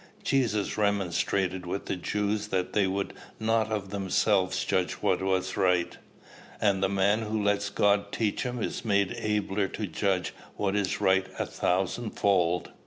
Jesus remonstrated with the Jews that they would not of themselves judge what was right; and the man who lets God teach him is made abler to judge what is right a thousand fold."